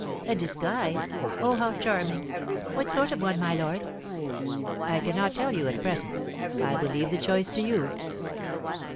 "A disguise? Oh, how charming! What sort of one, my lord?" "I cannot tell you at present. I will leave the choice to you."